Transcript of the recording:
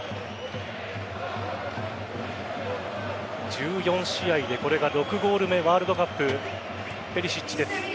１４試合でこれが６ゴール目ワールドカップ、ペリシッチです。